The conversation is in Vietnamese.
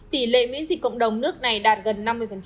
tỷ lệ miễn dịch cộng đồng nước này đạt gần năm mươi